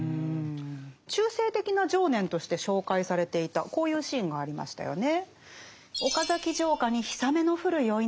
中世的な情念として紹介されていたこういうシーンがありましたよね。